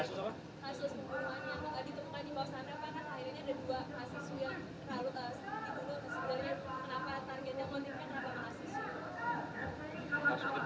kasus pembunuhan yang terlalu terlalu tiba tiba